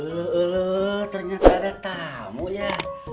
loh ternyata ada tamu ya